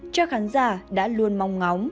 cho khán giả đã luôn mong ngóng